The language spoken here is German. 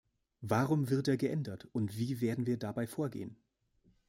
Warum wird er geändert und wie werden wir dabei vorgehen?